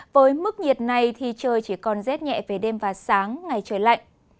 với mức nhiệt này thì trời chỉ còn rét nhẹ về đêm và sáng ngày trời lạnh